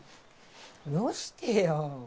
よしてよ。